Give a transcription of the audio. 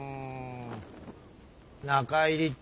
中入りっ